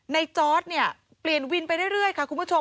จอร์ดเนี่ยเปลี่ยนวินไปเรื่อยค่ะคุณผู้ชม